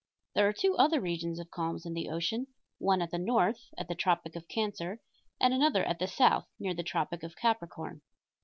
There are two other regions of calms in the ocean, one at the north at the tropic of Cancer and another at the south near the tropic of Capricorn.